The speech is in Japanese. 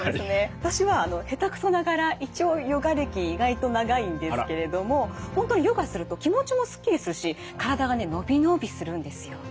私は下手くそながら一応ヨガ歴意外と長いんですけれども本当にヨガすると気持ちもすっきりするし体がね伸び伸びするんですよ。